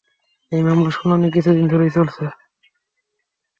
এই মামলার শুনানি কিছুদিন ধরেই চলছে।